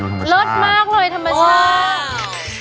รูปนี้เลิศมากเลยธรรมชาติ